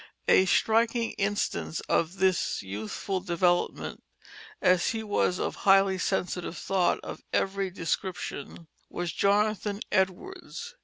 A striking instance of this youthful development (as he was of highly sensitive thought of every description) was Jonathan Edwards.